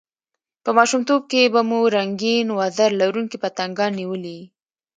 په ماشومتوب کښي به مو رنګین وزر لرونکي پتنګان نیولي يي!